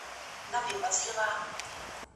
د اوبو په ذریعه د بدن غړي فعال پاته کیږي.